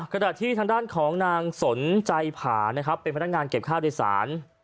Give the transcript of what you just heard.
กระดับที่ทางด้านของนางสนใจผ่านเป็นพนักงานเก็บข้าวดิสาร